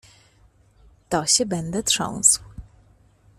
— To się będę trząsł.